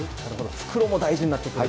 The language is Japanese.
復路も大事になってくると。